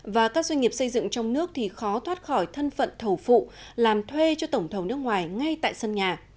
và các doanh nghiệp xây dựng trong nước thì khó thoát khỏi thân phận thầu phụ làm thuê cho tổng thầu nước ngoài ngay tại sân nhà